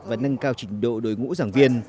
và nâng cao trình độ đối ngũ giảng viên